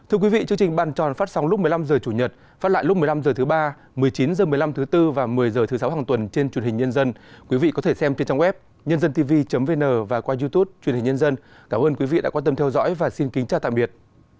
hãy đăng kí cho kênh lalaschool để không bỏ lỡ những video hấp dẫn